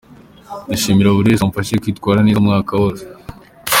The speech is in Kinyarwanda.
Ndashimira buri wese wamfashije kwitwara neza mu mwaka wose.